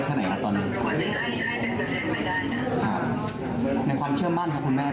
คุณแม่ทำไมคุณท่านตอนนี้